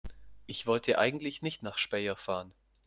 Ich wollte eigentlich nicht nach Speyer fahren